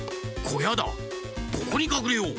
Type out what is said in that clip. ここにかくれよう。